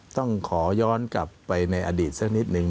ต้องขอย้อนกลับไปในอดีตสักนิดนึง